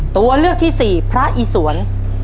ตัวเลือกที่สี่พระอีสวน